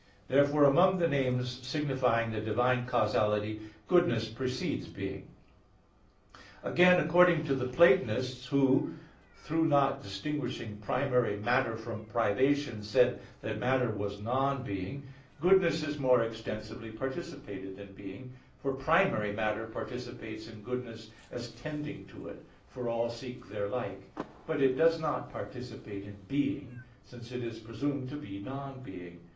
Therefore among the names signifying the divine causality, goodness precedes being. Again, according to the Platonists, who, through not distinguishing primary matter from privation, said that matter was non being, goodness is more extensively participated than being; for primary matter participates in goodness as tending to it, for all seek their like; but it does not participate in being, since it is presumed to be non being.